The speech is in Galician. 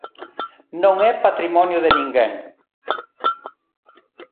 Non é patrimonio de ninguén.